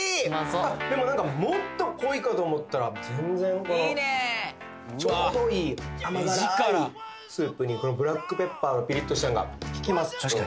でもなんかもっと濃いかと思ったら全然このちょうどいい甘辛ーいスープにこのブラックペッパーがピリッとしたんが効きます